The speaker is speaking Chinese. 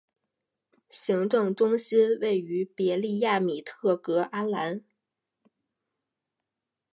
行政中心位于别利亚米特格阿兰。